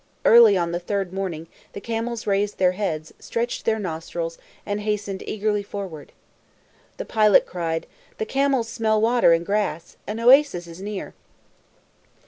Early on the third morning, the camels raised their heads, stretched their nostrils, and hastened eagerly forward. The pilot cried, "The camels smell water and grass. An oasis is near!"